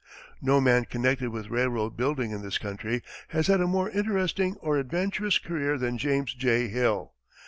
No man connected with railroad building in this country has had a more interesting or adventurous career than James J. Hill.